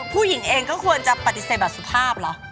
ผู้หญิงเองก็ควรจะปฏิเสธแบบสุภาพเหรอ